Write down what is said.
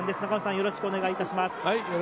よろしくお願いします。